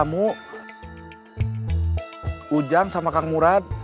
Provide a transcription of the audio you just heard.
kamu mau berpujang sama kang murad